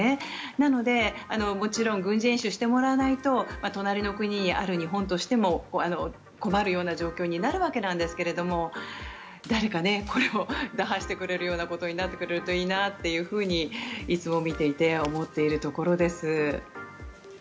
なので、もちろん軍事演習してもらわないと隣の国である日本としても困るような状況になるわけですけども誰かこれを打破してくれるようなことになってくれるといいなっていつも見ていて思っているところです。